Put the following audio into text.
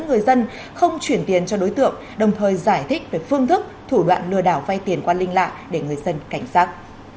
người dân không chuyển tiền cho đối tượng đồng thời giải thích về phương thức thủ đoạn lừa đảo vay tiền qua linh lạ để người dân cảnh giác